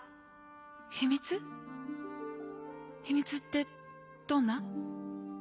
秘密ってどんな？